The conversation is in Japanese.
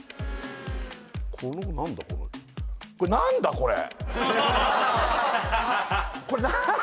これ何だこれ？